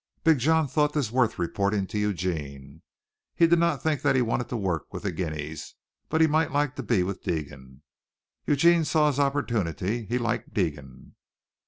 Big John thought this worth reporting to Eugene. He did not think that he wanted to work with the guineas, but he might like to be with Deegan. Eugene saw his opportunity. He liked Deegan.